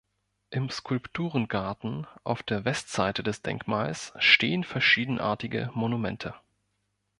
Im Skulpturengarten auf der Westseite des Denkmals stehen verschiedenartige Monumente.